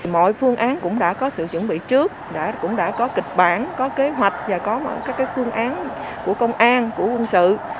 mọi phương án cũng đã có sự chuẩn bị trước cũng đã có kịch bản có kế hoạch và có các phương án của công an của quân sự